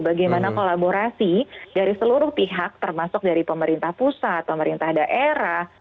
bagaimana kolaborasi dari seluruh pihak termasuk dari pemerintah pusat pemerintah daerah